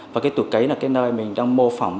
và cái tủ cấy là cái nơi mình đang mô phóng